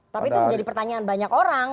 tapi itu menjadi pertanyaan banyak orang